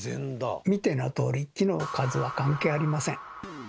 見てのとおり木の数は関係ありません。